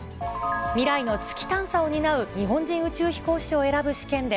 未来の月探査を担う日本人宇宙飛行士を選ぶ試験で、